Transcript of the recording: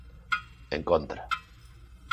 En contra.